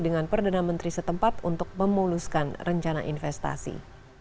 dengan perdana menteri setempat untuk memuluskan rencana investasi